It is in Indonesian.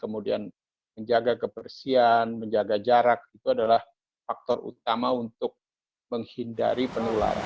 kemudian menjaga kebersihan menjaga jarak itu adalah faktor utama untuk menghindari penularan